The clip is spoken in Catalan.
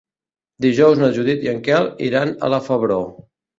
Dijous na Judit i en Quel iran a la Febró.